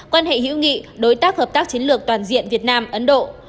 quan hệ hữu nghị đối tác hợp tác chiến lược toàn diện việt nam ấn độ